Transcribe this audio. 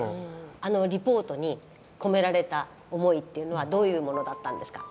あのリポートに込められた思いっていうのはどういうものだったんですか？